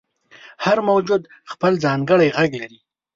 • هر موجود خپل ځانګړی ږغ لري.